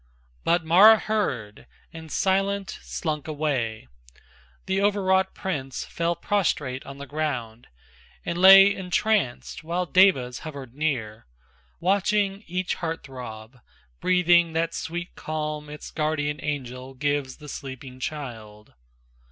But Mara heard, and silent slunk away, The o'erwrought prince fell prostrate on the ground And lay entranced, while devas hovered near, Watching each heart throb, breathing that sweet calm Its guardian angel gives the sleeping child.